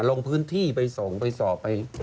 ลงพื้นที่ไปส่งไปสอบไป